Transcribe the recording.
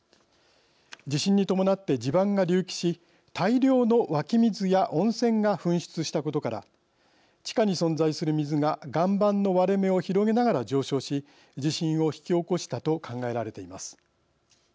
地震に伴って地盤が隆起し大量の湧き水や温泉が噴出したことから地下に存在する水が岩盤の割れ目を広げながら上昇し地震を引き起こしたと考えられています。